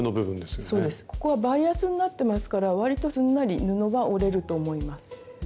ここはバイアスになってますからわりとすんなり布は折れると思います。